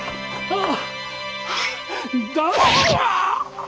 ああ。